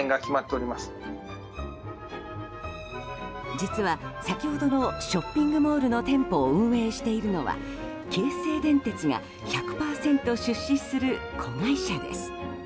実は先ほどのショッピングモールの店舗を運営しているのは京成電鉄が１００％出資する子会社です。